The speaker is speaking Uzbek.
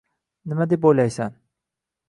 Nima deb o‘ylaysan